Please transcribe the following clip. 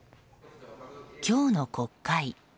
今日の国会。